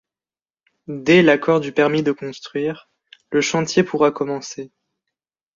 Dès l'accord du permis de construire, le chantier pourra commencer